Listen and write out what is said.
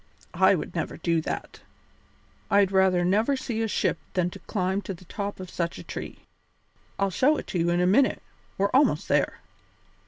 I would never do that; I'd rather never see a ship than to climb to the top of such a tree. I'll show it to you in a minute; we're almost there."